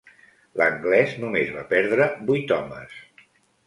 L'anglès només va perdre vuit homes.